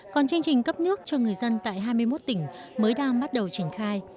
còn chương trình cấp nước cho người dân tại hai mươi một tỉnh mới đang bắt đầu triển khai